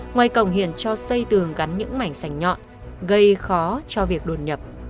ngoài cổng hiền cho xây tường gắn những mảnh sành nhọn gây khó cho việc đồn nhập